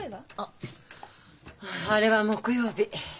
あれは木曜日。